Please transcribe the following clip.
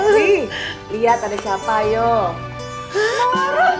wih lihat ada siapa yuk